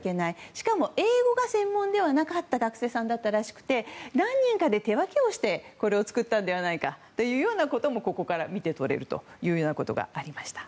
しかも、英語が専門の学生さんではなかったらしくて何人かで手分けをしてこれを作ったのではないかということも見て取れるということがありました。